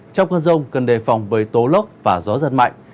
trong cơn rông cần đề phòng với tố lốc và gió giật mạnh